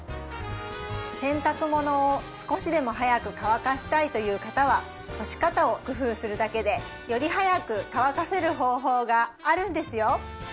洗濯物を少しでも早く乾かしたいという方は干し方を工夫するだけでより早く乾かせる方法があるんですよ